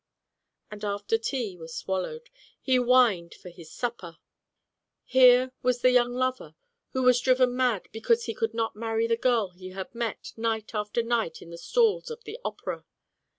And after tea was swallowed he whined for his supper. Here was the young lover who was driven mad because he could not marry the girl he had met night after night in the stalls of the opera.